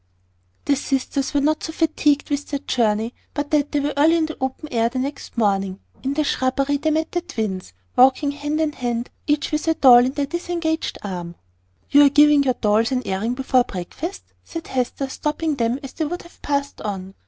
The sisters were not so fatigued with their journey but that they were early in the open air the next morning. In the shrubbery they met the twins, walking hand in hand, each with a doll on the disengaged arm. "You are giving your dolls an airing before breakfast," said Hester, stopping them as they would have passed on.